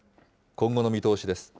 今後の見通しです。